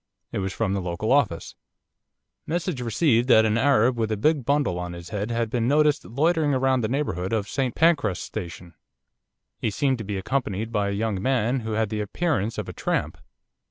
It was from the local office. 'Message received that an Arab with a big bundle on his head has been noticed loitering about the neighbourhood of St Pancras Station. He seemed to be accompanied by a young man who had the appearance of a tramp.